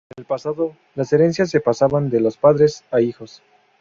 En el pasado, las herencias se pasaban de los padres a los hijos.